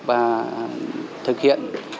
và thực hiện